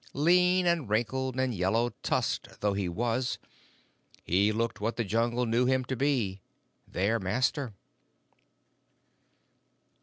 Lean and wrinkled and yellow tusked though he was, he looked what the Jungle knew him to be their master.